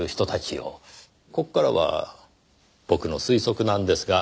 ここからは僕の推測なんですが。